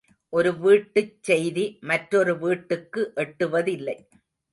ஒரு வீட்டுச் செய்தி மற்றொரு வீட்டுக்கு எட்டுவதில்லை.